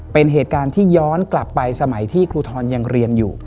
เป็นเหตุการณ์ที่ย้อนกลับไปสมัยที่ครูทรยังเรียนอยู่